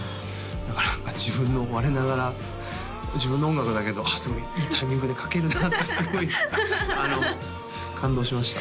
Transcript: だから自分の我ながら自分の音楽だけどすごいいいタイミングでかけるんだなってすごい感動しました